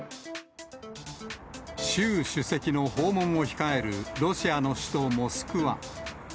習主席の訪問を控えるロシアの首都モスクワ。